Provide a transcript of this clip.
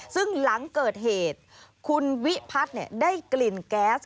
ซึ่งหลังเกิดเหตุคุณวิพัฒน์ได้กลิ่นแก๊ส